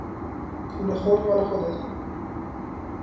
پول خرد مال خودتان!